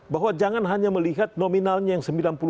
bahwa jangan hanya melihat nominalnya yang sembilan puluh delapan